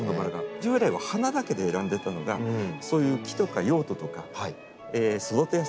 従来は花だけで選んでたのがそういう木とか用途とか育てやすさとかね。